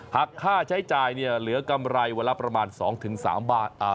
หากค่าใช้จ่ายเนี่ยเหลือกำไรวันละประมาณ๒๓บาท